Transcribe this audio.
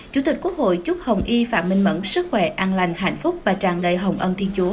chủ tịch quốc hội chúc hồng y phạm minh mẫn sức khỏe an lành hạnh phúc và tràn đầy hồng ân thiên chúa